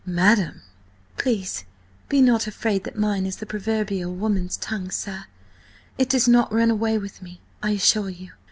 "Madam!" "Please be not afraid that mine is the proverbial woman's tongue, sir. It does not run away with me, I assure you.